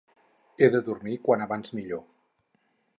He de dormir quan abans millor